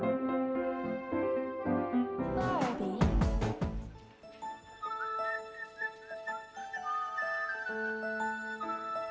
yang membunuhkan ora yang ringan bahkan terasa lelah